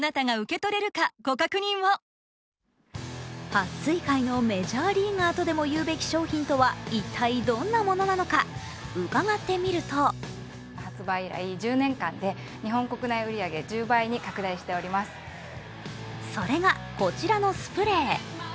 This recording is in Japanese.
はっ水界のメジャーリーガーとも言うべき商品は一体どんなものなのか伺ってみるとそれが、こちらのスプレー。